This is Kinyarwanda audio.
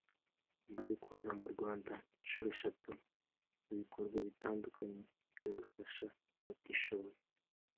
amaze kuza mu Rwanda inshuro eshatu mu bikorwa bitandukanye byo gufasha abatishoboye